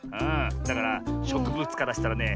だからしょくぶつからしたらね